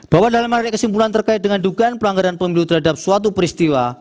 bahwa dalam arti kesimpulan terkait dengan dugaan pelanggaran pemilu terhadap suatu peristiwa